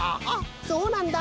そうなんだ！